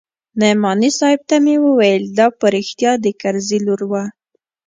نعماني صاحب ته مې وويل دا په رښتيا د کرزي لور وه.